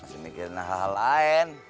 masih mikirin hal hal lain